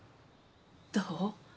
どう？